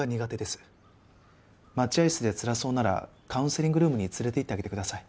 待合室でつらそうならカウンセリングルームに連れていってあげてください。